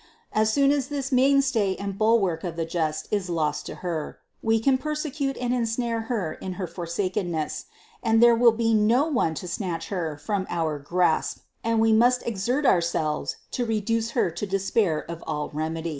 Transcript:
As soon as this mainstay and bulwark of the just is lost to Her, we can persecute and ensnare Her in her forsakeness, and there will be no one to snatch Her from our grasp, and we must exert our selves to reduce Her to despair of all remedy."